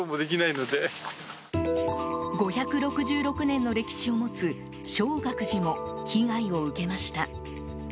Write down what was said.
５６６年の歴史を持つ松岳寺も被害を受けました。